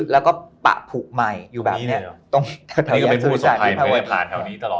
แล้วก็ปะผกใหม่อยู่แบบนี้ตรงแถวนี้